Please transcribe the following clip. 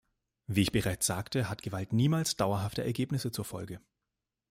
Wie ich bereits sagte, hat Gewalt niemals dauerhafte Ergebnisse zur Folge.